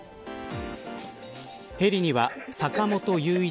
ヘリには坂本雄一